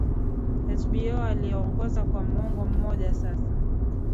hbo aliyeongoza kwa muongo mmoja sasa